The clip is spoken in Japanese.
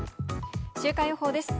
週間予報です。